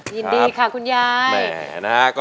ยินดีค่ะคุณยาย